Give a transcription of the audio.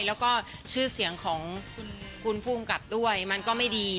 แล้วก็ชื่อเสียงของคุณภูมิกับด้วยมันก็ไม่ดี